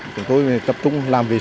chúng tôi tập trung rất là nhiều